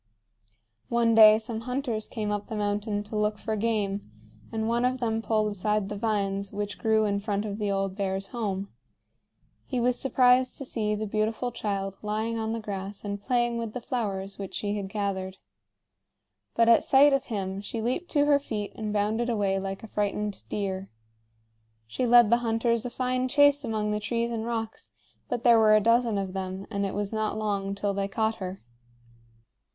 One day some hunters came up the mountain to look for game, and one of them pulled aside the vines which grew in front of the old bear's home. He was surprised to see the beautiful child lying on the grass and playing with the flowers which she had gathered. But at sight of him she leaped to her feet and bounded away like a frightened deer. She led the hunters a fine chase among the trees and rocks; but there were a dozen of them, and it was not long till they caught her.